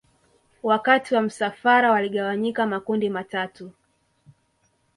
Wakati wa msafara waligawanyika makundi matatu